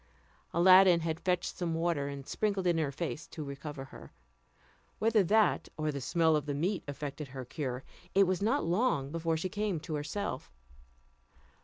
Aladdin had fetched some water, and sprinkled it in her face to recover her. Whether that or the smell of the meat effected her cure, it was not long before she came to herself.